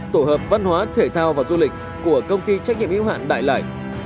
tổ hợp văn hóa thể thao và du lịch của công ty trách nhiệm yếu hạn đại lải